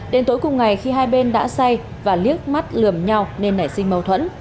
đến tối cùng ngày khi hai bên đã say và liếc mắt lườm nhau nên nảy sinh mâu thuẫn